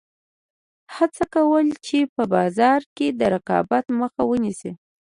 هڅه کوله چې په بازار کې د رقابت مخه ونیسي.